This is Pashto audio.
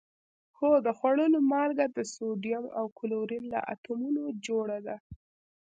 هو د خوړلو مالګه د سوډیم او کلورین له اتومونو جوړه ده